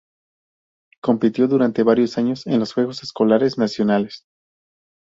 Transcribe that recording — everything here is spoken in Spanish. Compitió durante varios años en los Juegos Escolares Nacionales.